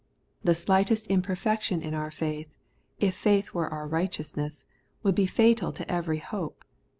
The slightest im perfection in our faith, if faith were our righteousness, would be fatal to every hope.